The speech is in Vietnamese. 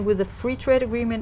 vì vì sự khác biệt